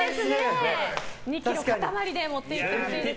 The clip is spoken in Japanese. ２ｋｇ、塊で持っていってほしいですね。